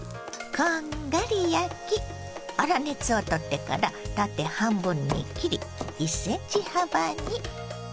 こんがり焼き粗熱を取ってから縦半分に切り１ｃｍ幅に。